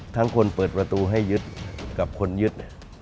ทั้งคนเปิดประตูให้ยึดกับคนยึด